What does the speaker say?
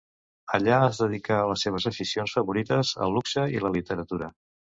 Allà es dedicà a les seves aficions favorites, el luxe i la literatura.